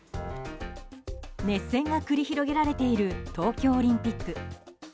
熱戦が繰り広げられている東京オリンピック。